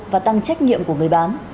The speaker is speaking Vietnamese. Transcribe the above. và tăng trách nhiệm của người bán